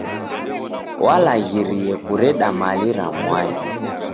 W'alaghirie kureda mali ra mwai.